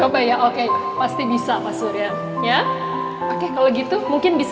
mungkin bisa ya oke saya coba ya oke pasti bisa pak surya ya oke kalau gitu mungkin bisa ya oke kalau gitu mungkin bisa